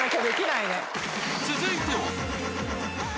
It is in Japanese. ［続いては］